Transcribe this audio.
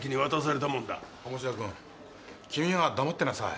鴨志田君君は黙ってなさい。